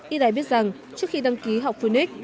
y đài biết rằng trước khi đăng ký học phunix